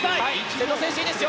瀬戸選手、いいですよ。